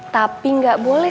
tapi gak boleh